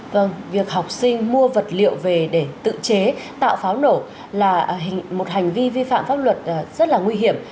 vâng việc học sinh mua vật liệu về để tự chế tạo pháo nổ là một hành vi vi phạm pháp luật rất là nguy hiểm